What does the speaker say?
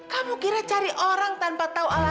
kamu kira cari orang tanpa tahu alasan